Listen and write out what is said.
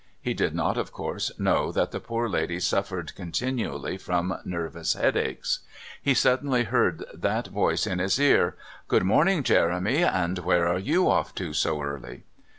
He did not, of course, know that the poor lady suffered continually from nervous headaches. He suddenly heard that voice in his ear: "Good morning, Jeremy, and where are you off to so early?"